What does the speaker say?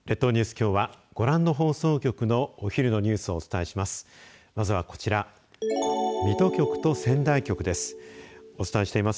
きょうはご覧の放送局のお昼のニュースをお伝えします。